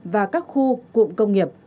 và các khu cụm công nghiệp